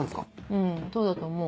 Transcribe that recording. うんそうだと思う。